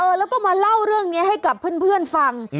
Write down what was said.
แล้วก็มาเล่าเรื่องนี้ให้กับเพื่อนฟัง